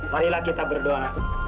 marilah kita berdoa